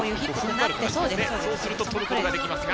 そうすると取ることができますが。